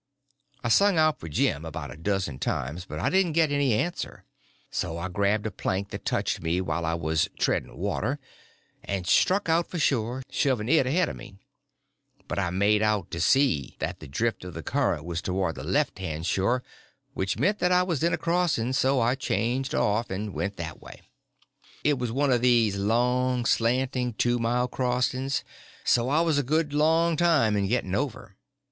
I sung out for Jim about a dozen times, but I didn't get any answer; so I grabbed a plank that touched me while I was "treading water," and struck out for shore, shoving it ahead of me. But I made out to see that the drift of the current was towards the left hand shore, which meant that I was in a crossing; so I changed off and went that way. It was one of these long, slanting, two mile crossings; so I was a good long time in getting over.